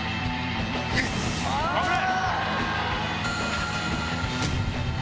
危ない！